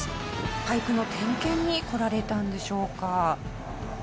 パイプの点検に来られたんでしょうか。